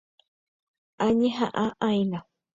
Añeha'ã'aína.